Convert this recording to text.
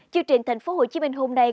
chương trình tp hcm hôm nay